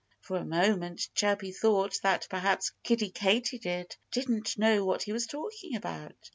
For a moment Chirpy thought that perhaps Kiddie Katydid didn't know what he was talking about.